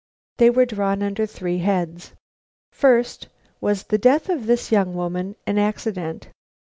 They were drawn up under three heads. First, was the death of this young woman an accident?